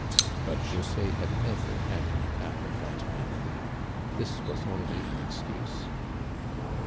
But José had never had an attack of that malady. This was only an excuse.